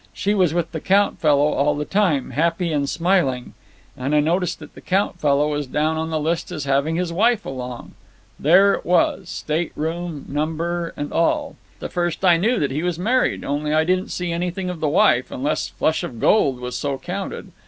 She was with the Count fellow all the time, happy and smiling, and I noticed that the Count fellow was down on the list as having his wife along. There it was, state room, number, and all. The first I knew that he was married, only I didn't see anything of the wife ... unless Flush of Gold was so counted.